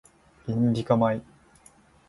インディカ米